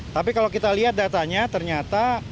tapi kalau kita lihat datanya ternyata